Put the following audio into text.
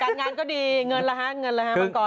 การงานก็ดีเงินละหะเงินละหะมังกอล